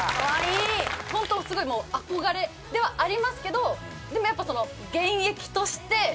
ホントすごい憧れではありますけどでもやっぱ。